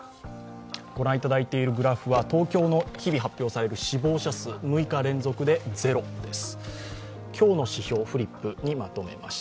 御覧いただいているグラフは東京の日々発表される死亡者数６日連続で０です。